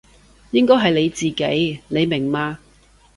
應該係你自己，你明嘛？